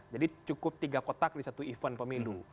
jadi cukup tiga kotak di satu event pemilu